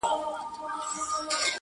نړیوال راپورونه پرې زياتيږي,